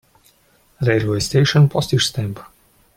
Railway station Postage stamp.